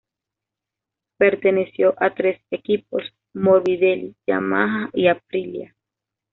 Perteneció a tres equipos: Morbidelli, Yamaha y Aprilia.